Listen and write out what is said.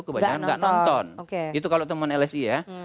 kebanyakan gak nonton itu kalau temuan lsi ya